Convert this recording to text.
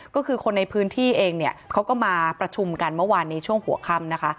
ก็คือคนในพื้นที่เองเนี่ยเขาก็มาประชุมกันเมื่อวานนี้ช่วงหัวค่ำนะคะ